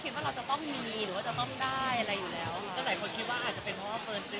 เค้าก็เลยอยากตอบแทนที่เค้าทำงานหนักมาในปีนี้